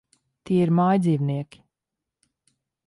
Tie ir mājdzīvnieki.